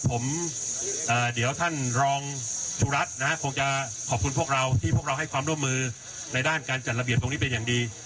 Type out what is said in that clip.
ผมเดี๋ยวท่านรองจุรัฐนะฮะคงจะขอบคุณพวกเราที่พวกเราให้ความร่วมมือในด้านการจัดระเบียบตรงนี้เป็นอย่างดี